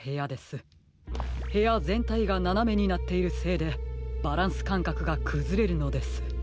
へやぜんたいがななめになっているせいでバランスかんかくがくずれるのです。